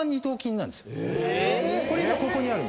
これがここにある。